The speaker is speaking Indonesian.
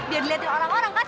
biar dilihatin orang orang kan